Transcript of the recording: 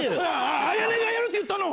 綾音がやるって言ったの！